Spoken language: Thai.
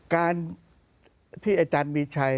การที่อาจารย์มีชัย